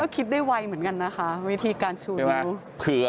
คิดได้ไวเหมือนกันนะคะวิธีการชู